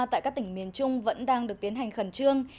tại các tỉnh miền trung vẫn đang được tiến hành khẩn trương